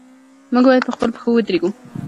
موږ باید په خپلو پښو ودریږو.